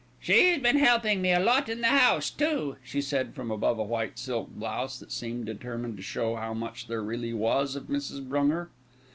"She's been helping me a lot in the house, too," she said from above a white silk blouse that seemed determined to show how much there really was of Mrs. Brunger.